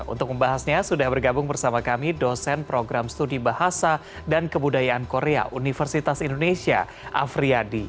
untuk membahasnya sudah bergabung bersama kami dosen program studi bahasa dan kebudayaan korea universitas indonesia afriyadi